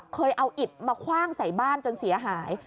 เคยเอาอิดมาคว่างใส่บ้านจนเสียหาย